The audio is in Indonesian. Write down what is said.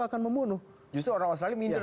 akan membunuh justru orang australia minta